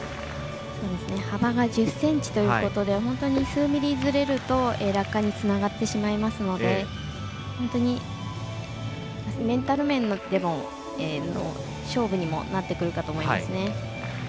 幅が１０ｃｍということで本当に数ミリずれると落下につながってしまいますので本当にメンタル面の勝負にもなってくるかと思います。